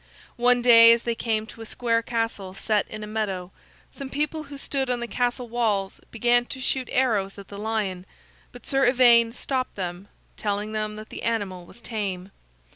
One day, as they came to a square castle set in a meadow, some people who stood on the castle walls began to shoot arrows at the lion, but Sir Ivaine stopped them, telling them that the animal was tame.